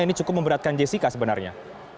ini cukup memberatkan jessica sebenarnya